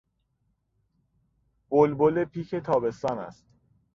بلبل پیک تابستان است.